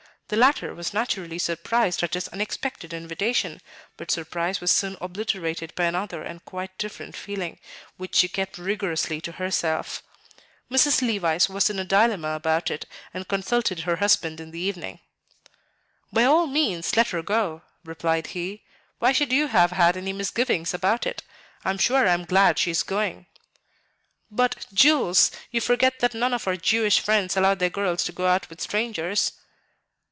The latter was naturally surprised at his unexpected invitation, but surprise was soon obliterated by another and quite different feeling, which she kept rigorously to herself. Mrs. Levice was in a dilemma about it, and consulted her husband in the evening. "By all means, let her go," replied he; "why should you have had any misgivings about it? I am sure I am glad she is going." "But, Jules, you forget that none of our Jewish friends allow their girls to go out with strangers."